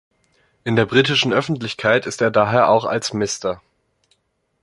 In der britischen Öffentlichkeit ist er daher auch als "Mr.